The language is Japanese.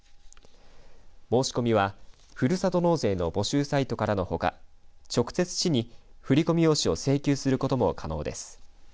申し込みは、ふるさと納税の募集サイトからのほか直接、市に振り込み用紙を請求することも可能です。